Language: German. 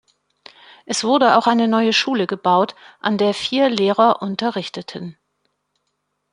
Es wurde auch eine neue Schule gebaut, an der vier Lehrer unterrichteten.